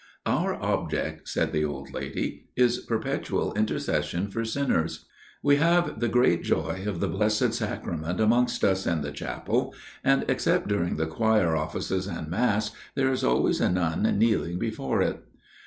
"'Our object,' said the old lady, 'is perpetual intercession for sinners. We have the great joy of the Blessed Sacrament amongst us in the chapel, and, except during the choir offices and Mass, there is always a nun kneeling before It.